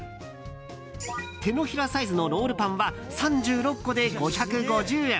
手のひらサイズのロールパンは３６個で５５０円。